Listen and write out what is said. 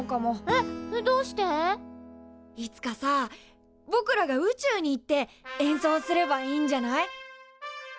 いつかさぼくらが宇宙に行って演奏すればいいんじゃない？